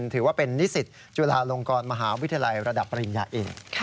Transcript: ถือว่าเป็นนิสิตจุฬาลงกรมหาวิทยาลัยระดับปริญญาเอง